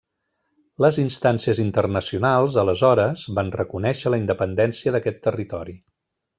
Les instàncies internacionals, aleshores, van reconèixer la independència d'aquest territori.